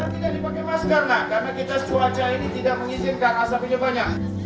karena kita dipakai masker karena kita cuaca ini tidak mengizinkan asapnya banyak